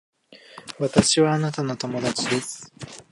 私はあなたの友達です